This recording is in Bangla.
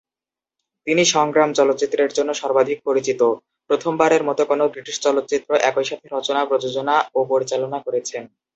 তিনি সংগ্রাম চলচ্চিত্রের জন্য সর্বাধিক পরিচিত, প্রথমবারের মতো কোনও ব্রিটিশ চলচ্চিত্র একই সাথে রচনা, প্রযোজনা ও পরিচালনা করেছেন।